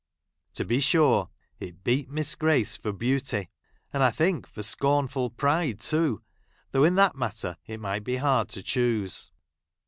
To be sure, it beat Miss Grace for beauty ; and, I think, for scornful pride, too, though in that matter it might be hard to choose.